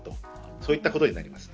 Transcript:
そういったことになります。